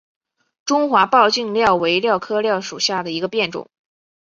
中华抱茎蓼为蓼科蓼属下的一个变种。